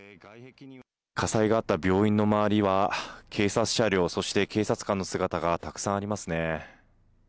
火災があった病院の周りは、警察車両、そして警察官の姿がたくさんありますね。